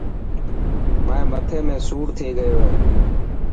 مائي مثي ۾ سوڙ ٿي گيو هي.